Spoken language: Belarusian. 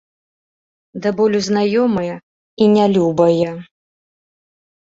Да болю знаёмая і нялюбая.